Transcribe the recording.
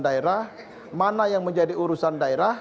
daerah mana yang menjadi urusan daerah